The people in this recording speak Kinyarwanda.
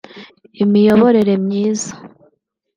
imiyoborere myiza